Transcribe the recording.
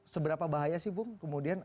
seberapa bahaya sih bung kemudian